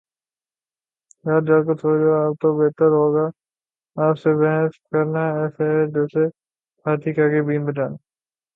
یار جا کر سو جاﺅ آپ تو بہتر ہو گا، آپ سے بحث کرنا ایسے ہی ہے جسیے ہاتھی کے آگے بین بجانا